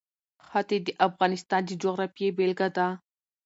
ښتې د افغانستان د جغرافیې بېلګه ده.